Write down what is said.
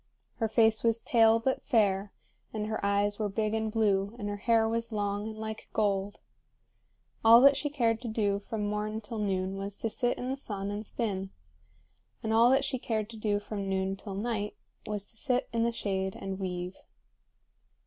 Her face was pale but fair, and her eyes were big and blue, and her hair was long and like gold. All that she cared to do from morn till noon was to sit in the sun and spin; and all that she cared to do from noon till night was to sit in the shade and weave.